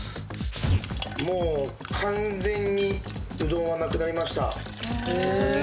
もう完全にうどんはなくなりました